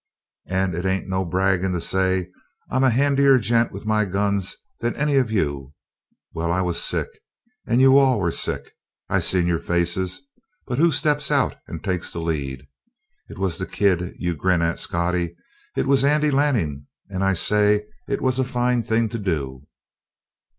And it ain't no braggin' to say I'm a handier gent with my guns than any of you. Well, I was sick, and you all were sick. I seen your faces. But who steps out and takes the lead? It was the kid you grin at, Scottie; it was Andy Lanning, and I say it was a fine thing to do!"